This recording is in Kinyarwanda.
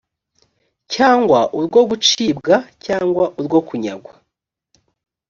cyangwa urwo gucibwa cyangwa urwo kunyagwa